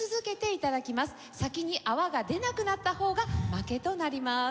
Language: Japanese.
先に泡が出なくなった方が負けとなります。